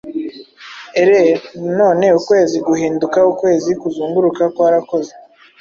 ere na none ukwezi guhinduka ukwezi kuzunguruka kwarakoze,